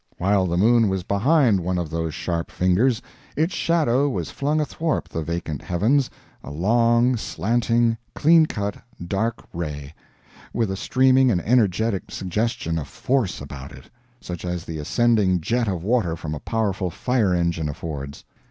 While the moon was behind one of those sharp fingers, its shadow was flung athwart the vacant heavens a long, slanting, clean cut, dark ray with a streaming and energetic suggestion of FORCE about it, such as the ascending jet of water from a powerful fire engine affords.